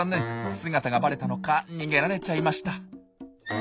姿がバレたのか逃げられちゃいました。